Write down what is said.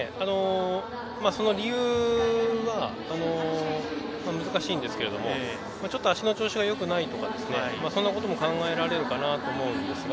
その理由は難しいんですけれども足の調子がよくないとかそんなことも考えられると思うんですが、